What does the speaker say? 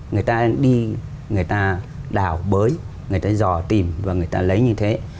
người ta đi người ta đào bới người ta dò tìm và người ta lấy như thế